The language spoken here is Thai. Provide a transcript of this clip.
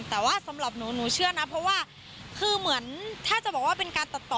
แต่ว่าสำหรับหนูหนูเชื่อนะเพราะว่าคือเหมือนถ้าจะบอกว่าเป็นการตัดต่อ